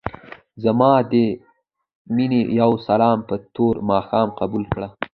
ځما دې مينې يو سلام په تور ماښام قبول کړه.